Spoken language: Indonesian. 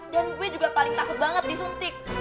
dan gue juga paling takut banget disuntik